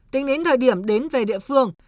tính đến thời điểm đến về địa phương